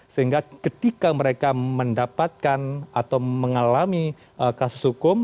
sehingga ketika mereka mendapatkan atau mengalami kasus hukum